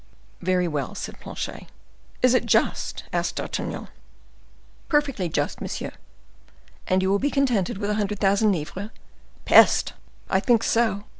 "Very well," said Planchet. "Is it just?" asked D'Artagnan. "Perfectly just, monsieur." "And you will be contented with a hundred thousand livres?" "Peste! I think so.